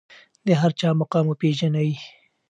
د هر چا مقام وپیژنئ.